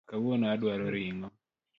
Kawuono adwaro ring’o